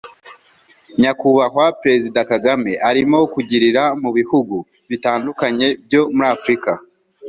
Nyakubahwa Presida Kagame arimo kugirira mu bihugu bitandukanye byo muri Afrika